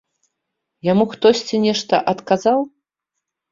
Яму хтосьці нешта адказаў?